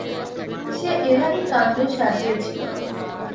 সে এলাহি কান্ড সাজিয়েছিল।